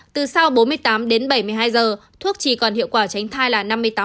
từ sau bốn mươi tám đến bảy mươi hai giờ thuốc chỉ còn hiệu quả tránh thai là năm mươi tám